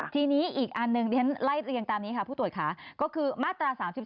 ทีนี้อีกอันหนึ่งที่ฉันไล่เรียงตามนี้ค่ะผู้ตรวจค่ะก็คือมาตรา๓๔